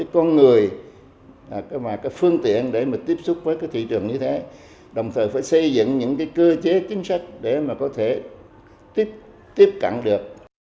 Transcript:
cơ chế chính sách để mà có thể tiếp cận được